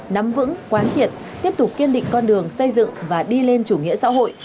nắm vững quán triệt tiếp tục kiên định con đường xây dựng và đi lên chủ nghĩa xã hội